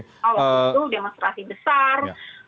karena waktu itu demonstrasi besar